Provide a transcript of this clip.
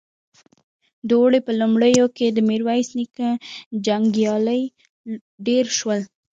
د اوړي په لومړيو کې د ميرويس نيکه جنګيالي ډېر شول.